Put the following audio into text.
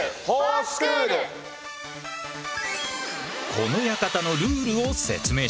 この館のルールを説明しよう。